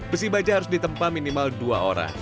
besi baja harus ditempa minimal dua orang